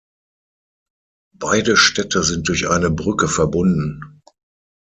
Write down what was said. Beide Städte sind durch eine Brücke verbunden.